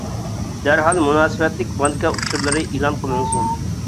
دەرھال مۇناسىۋەتلىك بانكا ئۇچۇرلىرى ئېلان قىلىنسۇن.